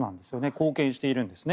貢献しているんですね。